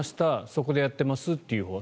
そこでやってますというのは。